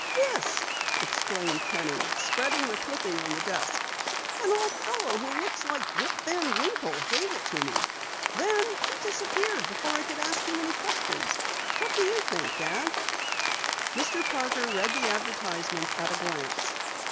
"This," explained Penny, spreading the clipping on the desk. "An old fellow who looked like Rip Van Winkle gave it to me. Then he disappeared before I could ask any questions. What do you think, Dad?" Mr. Parker read the advertisement at a glance.